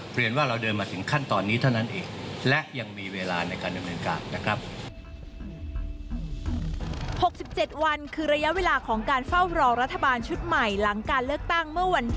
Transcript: เปลี่ยนว่าเราเดินมาถึงขั้นตอนนี้เท่านั้นเอง